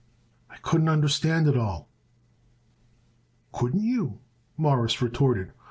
I couldn't understand it at all." "Couldn't you?" Morris retorted.